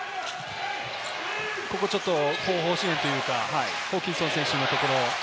ここちょっと後方支援というか、ホーキンソン選手のところ。